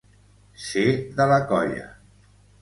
Ser de la colla.